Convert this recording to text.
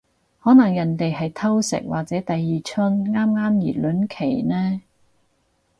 可能人哋係偷食或者第二春啱啱熱戀期呢